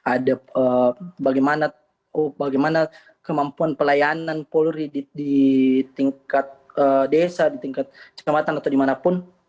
ada bagaimana kemampuan pelayanan polri di tingkat desa di tingkat kecamatan atau dimanapun